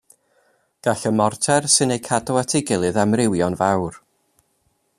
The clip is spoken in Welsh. Gall y morter sy'n eu cadw at ei gilydd amrywio'n fawr.